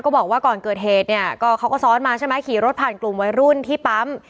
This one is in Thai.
บอกว่าก่อนเกิดเหตุเนี่ยก็เขาก็ซ้อนมาใช่ไหมขี่รถผ่านกลุ่มวัยรุ่นที่ปั๊ม